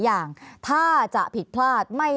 ภารกิจสรรค์ภารกิจสรรค์